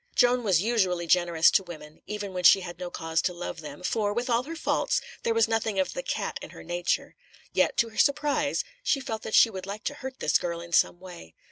Joan was usually generous to women, even when she had no cause to love them, for, with all her faults, there was nothing of the "cat" in her nature; yet, to her surprise, she felt that she would like to hurt this girl in some way.